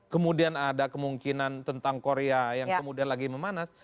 kemudian ada kemungkinan tentang korea yang kemudian lagi memanas